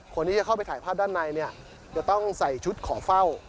คนนี้จะเข้าไปถ่ายภาพด้านในก็ต้องใส่ชุดขอเฝ้า